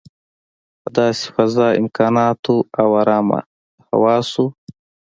په داسې فضا، امکاناتو او ارامه حواسو.